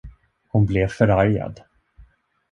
Hon blev förargad.